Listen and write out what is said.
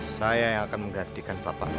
saya yang akan menggantikan bapaknya